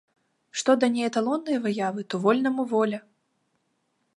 Што да неэталоннай выявы, то вольнаму воля.